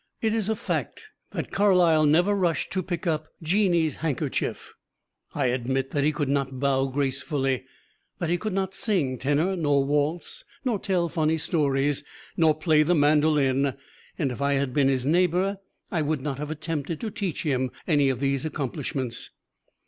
It is a fact that Carlyle never rushed to pick up Jeannie's handkerchief. I admit that he could not bow gracefully; that he could not sing tenor, nor waltz, nor tell funny stories, nor play the mandolin; and if I had been his neighbor I would not have attempted to teach him any of these accomplishments.